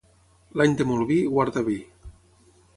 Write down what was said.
L'any de molt vi, guarda vi.